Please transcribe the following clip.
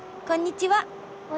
こんにちは。